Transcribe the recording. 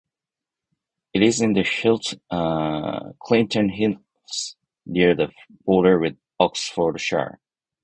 It is in the Chiltern Hills near the border with Oxfordshire.